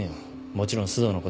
もちろん須藤のことも。